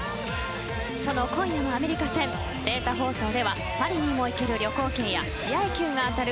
その今夜のアメリカ戦データ放送ではパリにも行ける旅行券や試合球が当たる